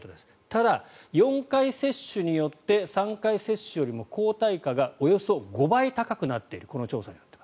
ただ、４回接種によって３回接種よりも抗体価がおよそ５倍高くなっているこの調査によると。